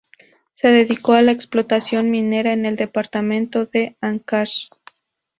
Se dedicó a la explotación minera en el departamento de Áncash.